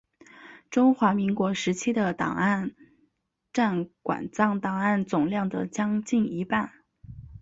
中华民国时期的档案占馆藏档案总量的将近一半。